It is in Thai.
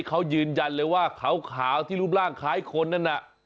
เขายืนยันเลยว่าขาวที่รูปร่างคล้ายคนนั่นน่ะ